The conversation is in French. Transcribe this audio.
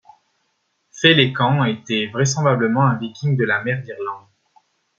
Félécan était vraisemblablement un viking de la mer d'Irlande.